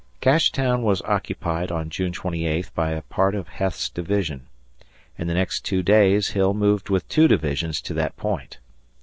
Cashtown was occupied on June 28 by a part of Heth's division. In the next two days Hill moved with two divisions to that point.